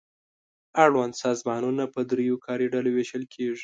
اړوند سازمانونه په دریو کاري ډلو وېشل کیږي.